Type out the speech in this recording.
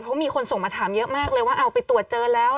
เพราะมีคนส่งมาถามเยอะมากเลยว่าเอาไปตรวจเจอแล้ว